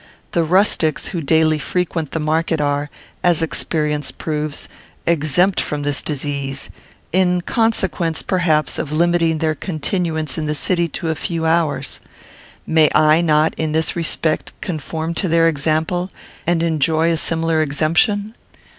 The rustics who daily frequent the market are, as experience proves, exempt from this disease; in consequence, perhaps, of limiting their continuance in the city to a few hours. May I not, in this respect, conform to their example, and enjoy a similar exemption?